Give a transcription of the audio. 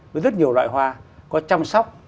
với rất nhiều loại hoa có chăm sóc